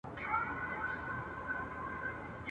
وړې څپې له توپانونو سره لوبي کوي.